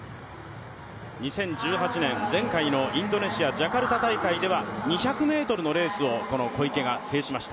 ２０１８年、前回のインドネシア、ジャカルタ大会では２００ｍのレースをこの小池が制しました。